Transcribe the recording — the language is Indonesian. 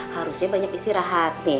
harusnya banyak istirahat